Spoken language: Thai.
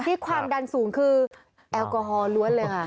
ที่ความดันสูงคืออัลกอฮอล์รวดเลย